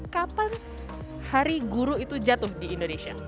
kapan hari guru itu jatuh di indonesia